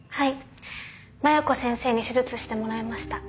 麻弥子先生に手術してもらいました。